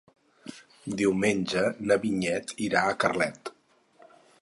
Diumenge na Vinyet irà a Carlet.